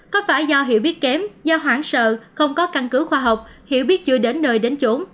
có phải do hiểu biết kém do hoảng sợ không có căn cứ khoa học hiểu biết chưa đến nơi đến chỗ